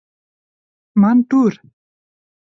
Man tur